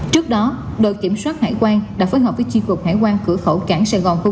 trước đó đội kiểm soát hải quan đã phối hợp với chi cục hải quan cửa khẩu cảng sài gòn khu vực